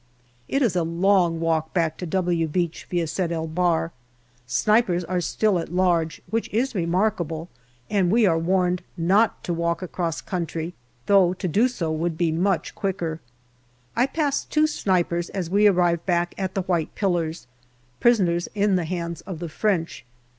It is a long walk back to "W" Beach via Sed el Bahr. Snipers are still at large, which is remarkable, and we are warned not to walk across country, though to do so would be much quicker. I pass two snipers as we arrive back at the white pillars, prisoners in the hands of the French.